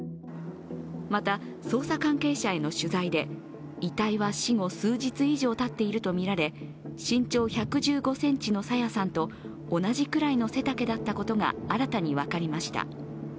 また、捜査関係者への取材で、遺体は死後数日以上たっているとみられ身長１１５ｃｍの朝芽さんと同じくらいの背丈だったことが分かりました。